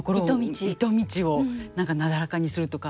糸道を何かなだらかにするとか。